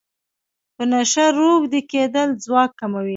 په نشه روږدی کیدل ځواک کموي.